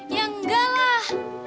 ya enggak lah